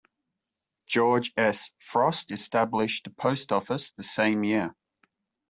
George S. Frost established a post office the same year.